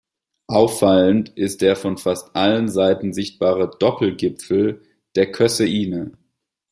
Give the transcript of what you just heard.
Auffallend ist der von fast allen Seiten sichtbare Doppelgipfel der Kösseine.